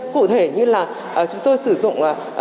cụ thể như là chúng tôi sử dụng